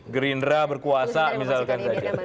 gerindra berkuasa misalkan